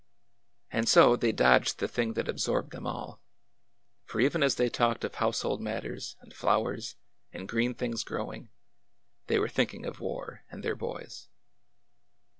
And so they dodged the thing that absorbed them all ; for even as they talked of household matters, and flowers, and green things growing, they were thinking of war and their boys.